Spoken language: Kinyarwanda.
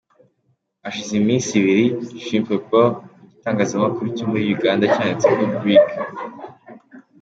Hashize iminsi ibiri Chimpreports Igitangazamkuru cyo muri Uganda cyanditse ko Brig.